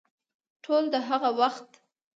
ټول د هغه وخت